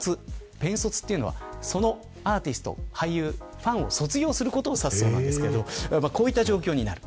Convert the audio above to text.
ペン卒というのはそのアーティスト俳優のファンを卒業することを指すそうですがこういう状況になる。